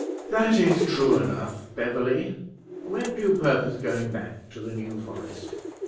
"That is true enough, Beverly. When do you purpose going back to the New Forest?